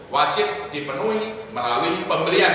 wajib dipenuhi melalui pembelian